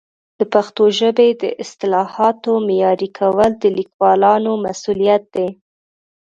د پښتو ژبې د اصطلاحاتو معیاري کول د لیکوالانو مسؤلیت دی.